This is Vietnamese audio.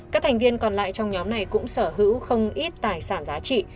các thành viên còn lại trong nhóm này cũng sở hữu không ít tài sản giá trị